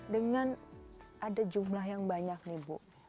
dengan ada jumlah yang banyak nih bu